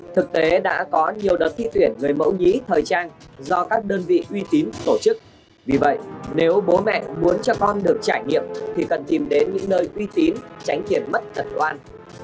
thực tế đã có nhiều đợt thi tuyển người mẫu nhí thời trang do các đơn vị uy tín tổ chức vì vậy nếu bố mẹ muốn cho con được trải nghiệm thì cần tìm đến những nơi uy tín tránh tiền mất tật oan